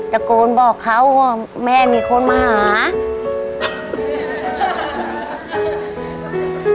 ตะโกนบอกเขาว่าแม่มีคนมาหา